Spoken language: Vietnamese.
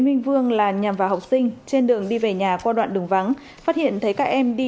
minh vương là nhằm vào học sinh trên đường đi về nhà qua đoạn đường vắng phát hiện thấy các em đi